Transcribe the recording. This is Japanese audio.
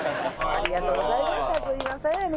ありがとうございます。